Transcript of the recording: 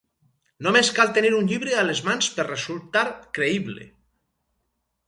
Només cal tenir un llibre a les mans per resultar creïble.